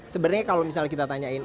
sebenarnya kalau misalnya kita tanyain